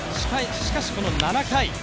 しかし、この７回。